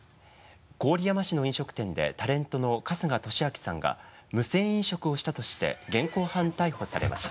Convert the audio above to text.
郡山市の飲食店でタレントの春日俊彰さんが無銭飲食をしたとして現行犯逮捕されました。